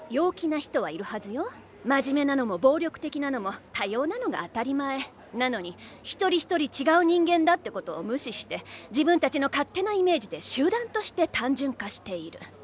真面目なのも暴力的なのも多様なのが当たり前なのにひとりひとり違う人間だってことを無視して自分たちの勝手なイメージで集団として単純化している。